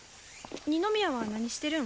二宮は何してるん？